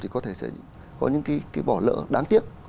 có thể sẽ có những bỏ lỡ đáng tiếc